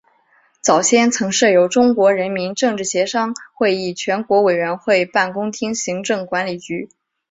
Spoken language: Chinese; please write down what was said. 早先曾设有中国人民政治协商会议全国委员会办公厅行政管理局。